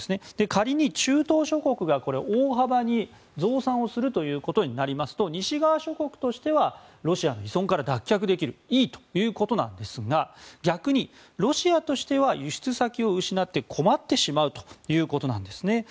仮に中東諸国が大幅に増産するということになりますと西側諸国としてはロシアの依存から脱却できていいということなんですが逆にロシアとしては輸出先を失って困ってしまうということなんです。